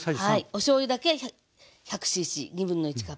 おしょうゆだけ１００ｃｃ1/2カップね。